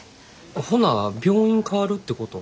ほな病院変わるってこと？